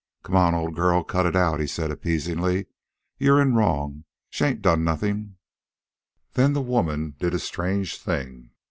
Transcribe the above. "Come on, old girl, cut it out," he said appeasingly. "You're in wrong. She ain't done nothin'." Then the woman did a strange thing.